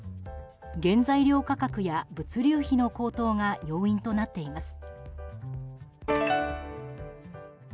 原材料価格や物流費の高騰が要因となっています。